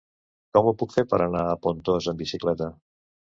Com ho puc fer per anar a Pontós amb bicicleta?